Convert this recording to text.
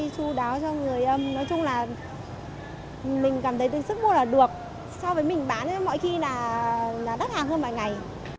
chú đáo cho người âm nói chung là mình cảm thấy sức mua là được so với mình bán mọi khi là đắt hàng hơn mọi ngày